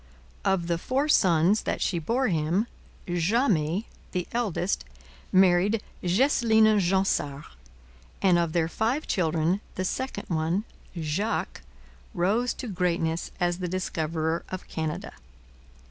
Of the four sons that she bore him, Jamet, the eldest, married Geseline Jansart, and of their five children the second one, Jacques, rose to greatness as the discoverer of Canada.